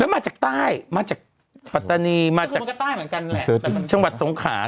แล้วมาจากปตาณีชั่งหวัดสวงขา